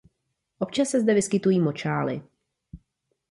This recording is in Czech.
Občas se zde vyskytují močály.